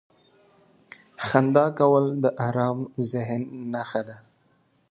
• خندا کول د ارام ذهن نښه ده.